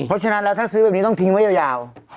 เพราะฉะนั้นแล้วถ้าซื้อแบบนี้ต้องทิ้งไว้ยาว